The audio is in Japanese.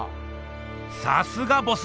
さすがボス！